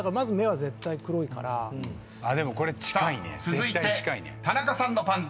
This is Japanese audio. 続いて田中さんのパンダ］